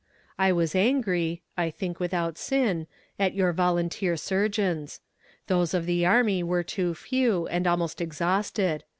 "I was angry (I think without sin) at your volunteer surgeons. Those of the army were too few, and almost exhausted.